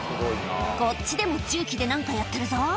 こっちでも重機でなんかやってるぞ。